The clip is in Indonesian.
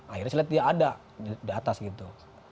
akhirnya saya lihat dia ada di atas gitu